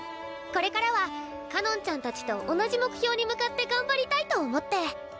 これからはかのんちゃんたちと同じ目標に向かって頑張りたいと思って。